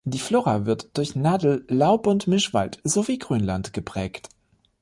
Die Flora wird durch Nadel-, Laub- und Mischwald sowie Grünland geprägt.